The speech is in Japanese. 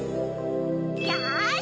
よし！